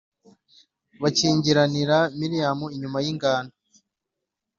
Bakingiranira Miriyamu inyuma y ingando